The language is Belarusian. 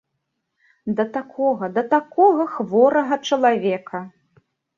Да такога, да такога хворага чалавека!